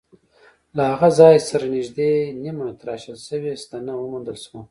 له هغه ځای سره نږدې نیمه تراشل شوې ستنه وموندل شوه.